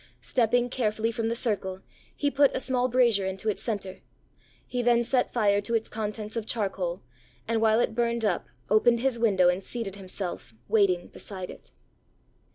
Stepping carefully from the circle, he put a small brazier into its centre. He then set fire to its contents of charcoal, and while it burned up, opened his window and seated himself, waiting, beside it.